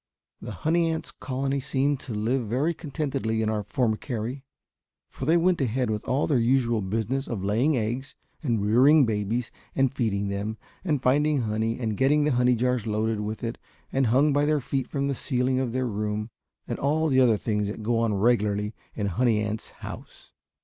The honey ants' colony seemed to live very contentedly in our formicary, for they went ahead with all their usual business of laying eggs and rearing babies and feeding them, and finding honey and getting the honey jars loaded with it and hung by their feet from the ceiling of their room, and all the other things that go on regularly in a honey ant's house.